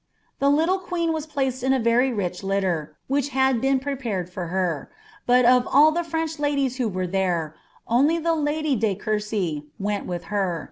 The Ihile qwM was placed jn a ver^ rich Utter, which hud been prepared fiw her; M of all the French ladies who were there, only the lady de Coiircy wM with her.